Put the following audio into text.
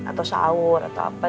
atau sahur atau apa